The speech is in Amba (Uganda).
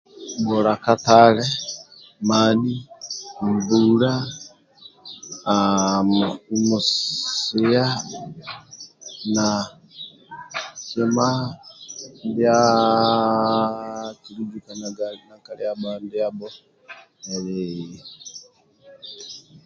Gula katali mani mbula haaa musia na kima ndia akilujukanaga ka lindiabho eli